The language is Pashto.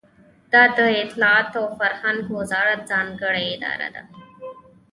دا د اطلاعاتو او فرهنګ وزارت ځانګړې اداره وه.